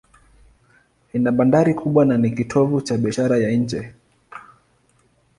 Ina bandari kubwa na ni kitovu cha biashara ya nje.